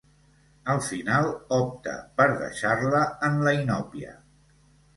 Al final opta per deixar-la en la inòpia.